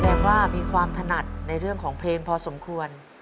ว่ามีความถนัดในเรื่องของเพลงพอสมควร